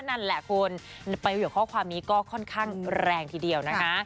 นั่นแหละคุณประโยชน์ข้อความนี้ก็ค่อนข้างแรงทีเดียวนะคะ